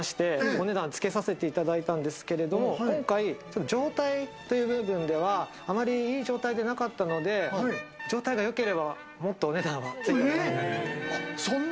お値段つけさせていただいたんですけれども、今回、状態という部分ではあまりいい状態ではなかったので、状態がよければ、もっとお値段がついたと思います。